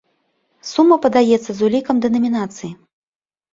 Сума падаецца з улікам дэнамінацыі.